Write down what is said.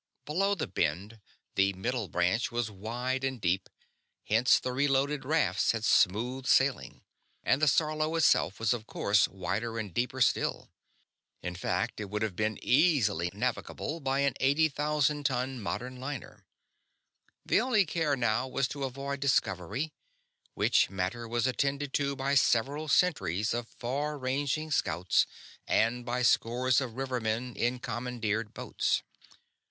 Below the Bend, the Middle Branch was wide and deep, hence the reloaded rafts had smooth sailing; and the Sarlo itself was of course wider and deeper still. In fact, it would have been easily navigable by an 80,000 ton modern liner. The only care now was to avoid discovery which matter was attended to by several centuries of far ranging scouts and by scores of rivermen in commandeered boats.